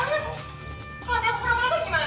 ini banyak banget